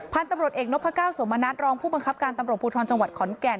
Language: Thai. พันธุ์ตำรวจเอกนพก้าวสมณัฐรองผู้บังคับการตำรวจภูทรจังหวัดขอนแก่น